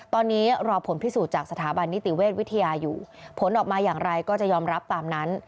ตอนนี้รอผลพิสูจน์จากสถาบันนิติเวชวิทยาอยู่ผลออกมาอย่างไรก็จะยอมรับตามนั้น